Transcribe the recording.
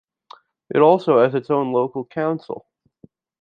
It also has its own local council.